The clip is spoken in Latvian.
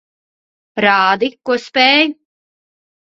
Rādi, ko spēj.